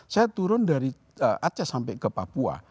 saya turun dari aceh sampai ke papua